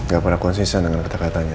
gak pernah konsisten dengan kata katanya